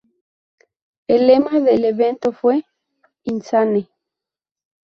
El lema del evento fue ""Insane.